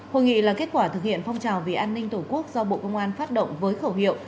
hội nghị là kết quả thực hiện phong trào vì an ninh tổ quốc do bộ công an phát động với khẩu hiệu